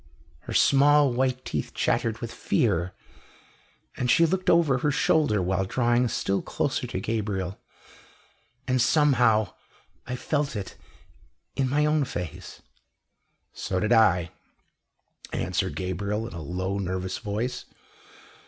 Her small white teeth chattered with fear, and she looked over her shoulder while drawing still closer to Gabriel. "And, somehow, I felt it in my own face " "So did I," answered Gabriel in a low, nervous voice.